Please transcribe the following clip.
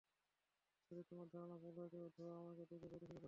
যদি তোমার ধারণা ভুল হয়, তবে ধোঁয়া আমাদের দিকে বইতে শুরু করবে!